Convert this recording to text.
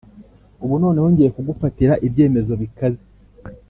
Ubu noneho ngiye kugufatira ibyemezo bikaze